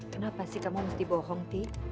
kenapa sih kamu mesti bohong tuh